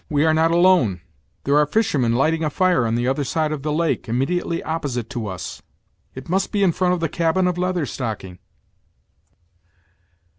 we are not alone; there are fishermen lighting a fire on the other side of the lake, immediately opposite to us; it must be in front of the cabin of Leather Stocking!"